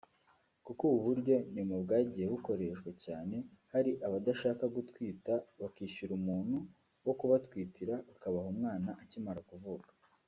kuko ubu buryo nyuma bwagiye bukoreshwa cyane hari abadashaka gutwita bakishyura umuntu wo kubatwitira akabaha umwana akimara kuvuka